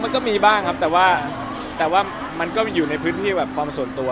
มันก็มีบ้างนะครับแต่ก็อยู่ในพื้นที่ความส่วนตัว